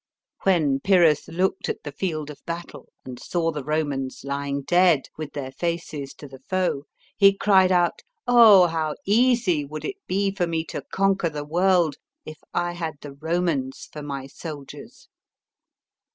When Pyrrhus looked at the field of battle, and saw the Romans lying dead, with their faces to B.C. 274.] VICTORY FOR .ROME. 157 the foe, he cried out, " Oh, how easy would it be for me to conquer the world, if I had the Romans for my soldiers."